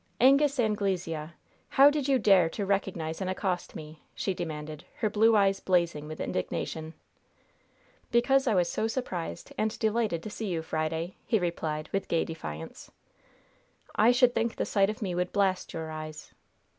"Angus Anglesea! how did you dare to recognize and accost me?" she demanded, her blue eyes blazing with indignation. "Because I was so surprised and delighted to see you, Friday!" he replied, with gay defiance. "I should think the sight of me would blast your eyes!"